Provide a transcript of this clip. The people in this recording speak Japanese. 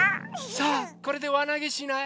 さあこれでわなげしない？